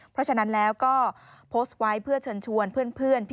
เพราะฉะนั้นแล้วก็โพสต์ไว้เพื่อเชิญชวนเพื่อน